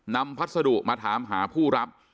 พัสดุมาถามหาผู้รับ